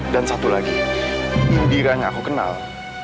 dan satu lagi indira yang aku kenal